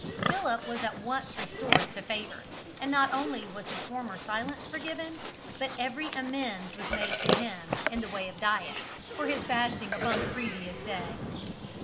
Philip was at once restored to favour, and not only was his former silence forgiven, but every amends was made to him, in the way of diet, for his fasting upon the previous day.